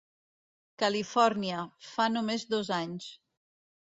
Califòrnia, fa només dos anys.